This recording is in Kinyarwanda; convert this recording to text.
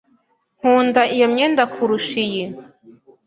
Nkunda iyo myenda kurusha iyi.